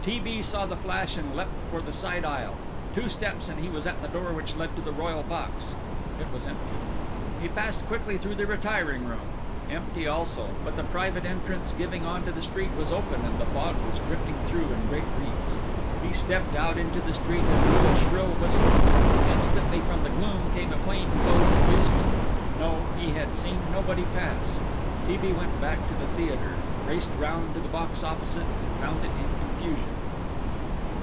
T. B. saw the flash and leapt for the side aisle: two steps and he was at the door which led to the royal box. It was empty. He passed quickly through the retiring room empty also, but the private entrance giving on to the street was open and the fog was drifting through in great wreaths. He stepped out into the street and blew a shrill whistle. Instantly from the gloom came a plain clothes policeman No, he had seen nobody pass. T. B. went back to the theatre, raced round to the box opposite and found it in confusion.